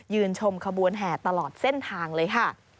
ชมขบวนแห่ตลอดเส้นทางเลยค่ะ